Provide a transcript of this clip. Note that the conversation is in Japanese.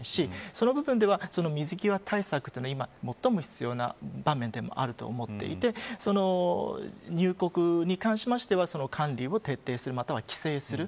その部分では水際対策というのは今、最も必要な場面でもあると思っていて入国に関しては管理を徹底してまたは規制する。